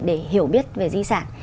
để hiểu biết về di sản